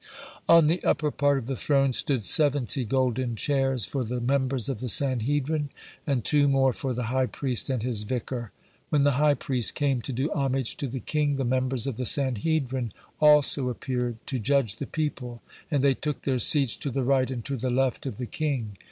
On the upper part of the throne stood seventy golden chairs for the members of the Sanhedrin, and two more for the high priest and his vicar. When the high priest came to do homage to the king, the members of the Sanhedrin also appeared, to judge the people, and they took their seats to the right and to the left of the king.